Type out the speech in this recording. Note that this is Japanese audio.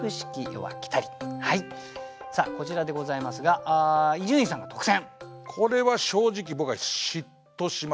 こちらでございますが伊集院さんが特選。